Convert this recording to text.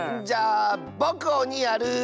じゃあぼくおにやる！